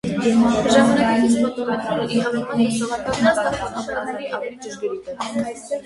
Ժամանակակից ֆոտոմետրերը՝ ի համեմատ տեսողական աստղաֆոտոմետրերի, ավելի ճշգրիտ են։